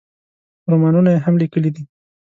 رومانونه یې هم لیکلي دي.